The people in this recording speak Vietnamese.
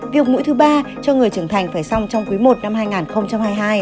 việc mũi thứ ba cho người trưởng thành phải xong trong quý i năm hai nghìn hai mươi hai